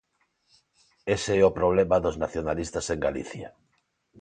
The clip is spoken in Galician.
Ese é o problema dos nacionalistas en Galicia.